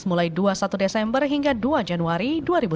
mulai dua puluh satu desember hingga dua januari dua ribu dua puluh